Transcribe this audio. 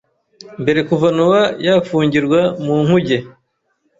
mbere Kuva Nowa yafungirwa mu nkuge